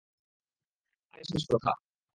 আর এটাই শেষ কথা।